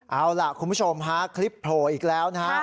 เอาล่ะคุณผู้ชมฮะคลิปโผล่อีกแล้วนะฮะ